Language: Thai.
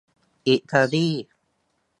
อิตาลี